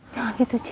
jangan gitu cil